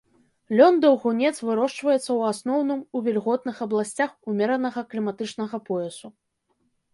Лён-даўгунец вырошчваецца ў асноўным у вільготных абласцях умеранага кліматычнага поясу.